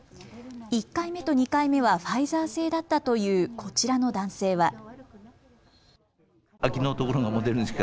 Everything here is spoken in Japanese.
１回目と２回目はファイザー製だったというこちらの男性は。